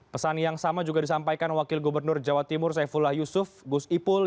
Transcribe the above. pesan yang sama juga disampaikan wakil gubernur jawa timur saifullah yusuf gus ipul